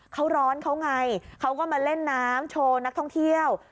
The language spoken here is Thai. เขาร้อนเขาไงเขาก็มาเล่นน้ำโชว์นักท่องเที่ยว